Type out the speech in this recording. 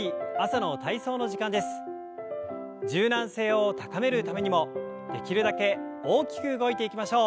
柔軟性を高めるためにもできるだけ大きく動いていきましょう。